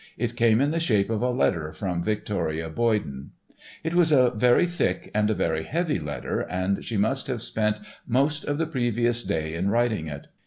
It came in the shape of a letter from Victoria Boyden. It was a very thick and a very heavy letter and she must have spent most of the previous day in writing it.